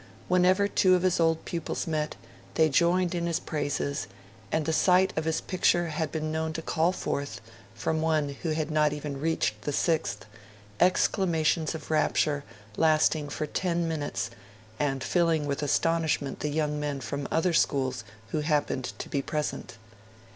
Whenever two of his old pupils met, they joined in his praises; and the sight of his picture had been known to call forth, from one who had not even reached the Sixth, exclamations of rapture lasting for ten minutes and filling with astonishment the young men from other schools who happened to be present.